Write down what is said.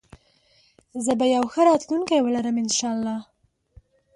زه به يو ښه راتلونکي ولرم انشاالله